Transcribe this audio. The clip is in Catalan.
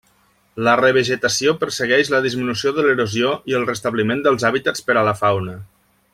La revegetació persegueix la disminució de l'erosió i el restabliment dels hàbitats per a la fauna.